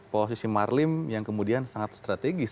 posisi marlim yang kemudian sangat strategis